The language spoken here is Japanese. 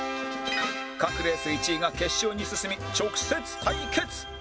各レース１位が決勝に進み直接対決！